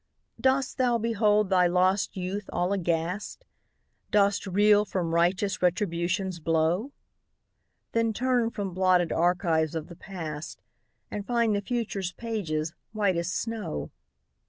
Dost thou behold thy lost youth all aghast? Dost reel from righteous Retribution's blow? Then turn from blotted archives of the past, And find the future's pages white as snow.